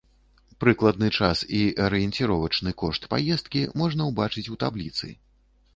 Прыкладны час і арыенціровачны кошт паездкі можна ўбачыць у табліцы.